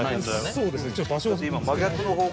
そうですね。